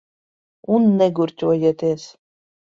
Un negurķojieties.